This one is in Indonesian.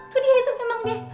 tuh dia itu emang deh